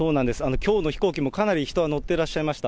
きょうの飛行機もかなり人は乗ってらっしゃいました。